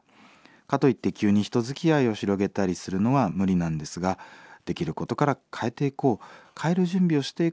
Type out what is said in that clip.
かといって急に人づきあいを広げたりするのは無理なんですができることから変えていこう変える準備をしていこうと思いました。